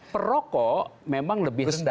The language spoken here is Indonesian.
perokok memang lebih rendah